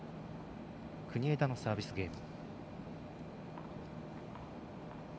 国枝のサービスゲーム。